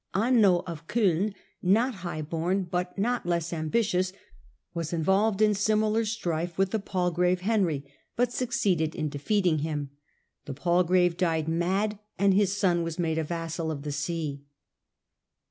Anno of Coin, not high bom, but not less ambitious, was involved in similar strife with the Palsgrave, Henry, but succeeded in defeating him. The Palsgrave died mad, and his son was made a vassal of the see.